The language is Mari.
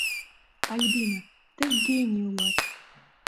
Альбина, тый гений улат!